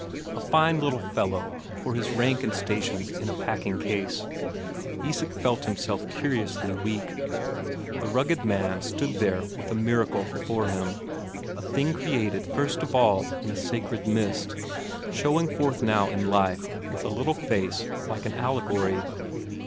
A fine little fellow for his rank and station in a packing case; Isak felt himself curiously weak. The rugged man stood there with a miracle before him; a thing created first of all in a sacred mist, showing forth now in life with a little face like an allegory.